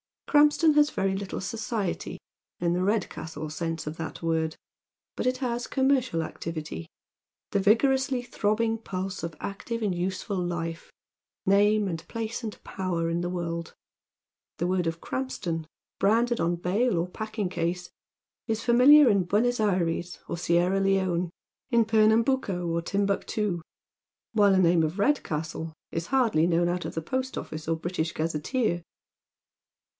Krampston has very little " society," in the Redcastle sense of tliat word, but it has commercial activity, the vigorously throb ])ing pulse of active and useful life, name, and place and power in the world. The word "Krampston" branded on bale or packing case is famihar m Euenoi Ayres or Sierra Leone, in Pernambuco or Timbuctoo, while the name of Redcastle is hardly known out of the post office or British Gazetteer.